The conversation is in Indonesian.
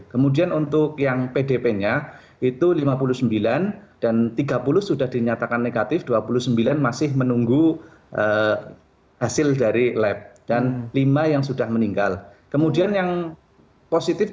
kemudian untuk yang pdp nya itu satu dua ratus dua puluh empat yang masih ada satu ratus tujuh yang masih dalam pemantuan bertanggal kemarin